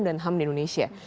dan ham di indonesia